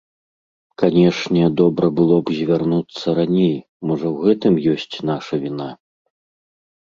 Канешне, добра было б звярнуцца раней, можа ў гэтым ёсць наша віна.